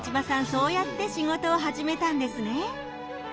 そうやって仕事を始めたんですね。